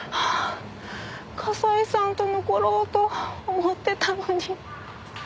笠井さんと残ろうと思ってたのに。